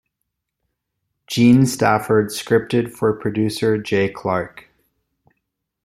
Gene Stafford scripted for producer Jay Clark.